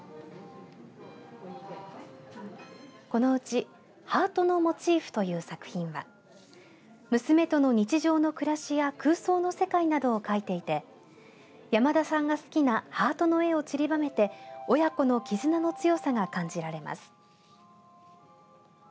このうちハートのモチーフという作品は娘との日常の暮らしや空想の世界などを描いていて山田さんが好きなハートの絵をちりばめて親子のきずなの強さが感じられます。